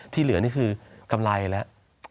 ที่เหลือนี่คือกำไรแล้ว